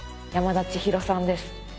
山田千紘さんです。